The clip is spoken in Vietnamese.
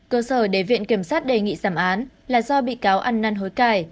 cơ sở để viện kiểm sát đề nghị giảm án là do bị cáo ăn năn hối cải